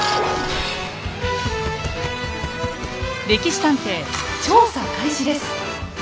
「歴史探偵」調査開始です。